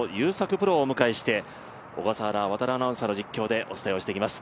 プロをお迎えして小笠原亘アナウンサーの実況でお伝えしていきます。